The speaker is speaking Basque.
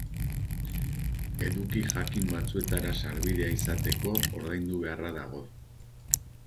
Eduki jakin batzuetara sarbidea izateko ordaindu beharra dago.